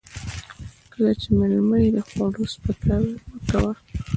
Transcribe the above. کله چې مېلمه يې د خوړو سپکاوی مه کوه.